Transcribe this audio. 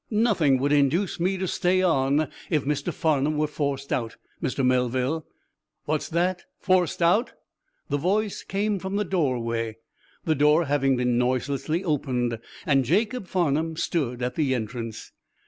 "Nothing would induce me to stay on if Mr. Farnum were forced out, Mr. Melville." "What's that? Forced out?" The voice came from the doorway, the door having been noiselessly opened, and Jacob Farnum stood at the entrance.